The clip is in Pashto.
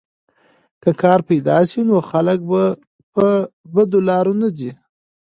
که کار پیدا سي نو خلک په بدو لارو نه ځي.